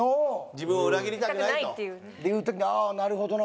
自分を裏切りたくないと。っていう時に「あなるほどな。